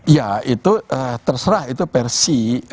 ya itu terserah itu versi